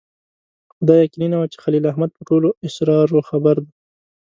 خو دا یقیني نه وه چې خلیل احمد په ټولو اسرارو خبر دی.